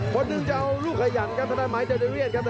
คนหนึ่งจะเอาลูกขยั่งครับถ้าด้านไหม